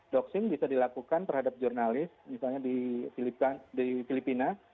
doxing bisa dilakukan terhadap jurnalis misalnya di filipina